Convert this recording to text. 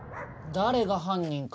誰が犯人か